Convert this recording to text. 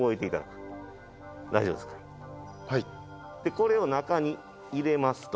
これを中に入れますと。